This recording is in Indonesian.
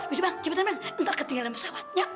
oke bang cepetan nanti ketinggalan pesawat